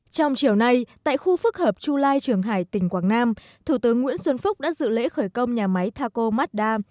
trong chiều nay tại khu phức hợp chu lai trường hải tỉnh quảng nam thủ tướng nguyễn xuân phúc đã dự lễ khởi công nhà máy taco mazda